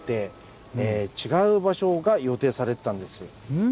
うん？